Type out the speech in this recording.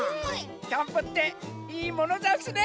キャンプっていいものざんすね！